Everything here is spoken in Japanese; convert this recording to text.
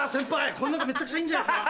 これなんかめちゃくちゃいいんじゃないっすか？